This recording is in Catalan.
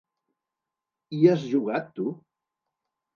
Hi has jugat, tu?